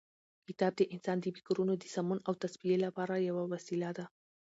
کتاب د انسان د فکرونو د سمون او تصفیې لپاره یوه وسیله ده.